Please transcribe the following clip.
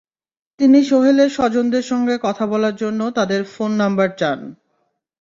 তিনি সোহেলের স্বজনদের সঙ্গে কথা বলার জন্য তাঁদের ফোন নম্বর চান।